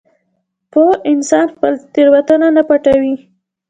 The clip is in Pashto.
پوه انسان خپله تېروتنه نه پټوي.